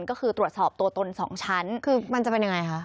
ก็คือตรวจสอบตัวตน๒ชั้นคือมันจะเป็นยังไงคะ